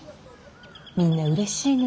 みんなうれしいのよ。